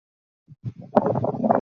每天来点负能量就是爽